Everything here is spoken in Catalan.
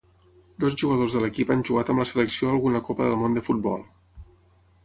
Dos jugadors de l'equip han jugat amb la selecció alguna Copa del Món de futbol.